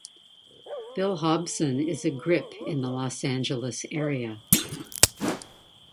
Bill Hobson is a grip in the Los Angeles area.